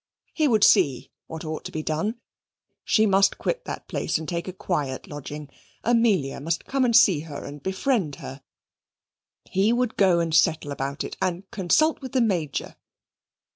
He would see what ought to be done. She must quit that place and take a quiet lodging. Amelia must come and see her and befriend her. He would go and settle about it, and consult with the Major.